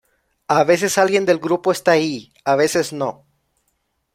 A veces alguien del grupo está ahí, a veces no.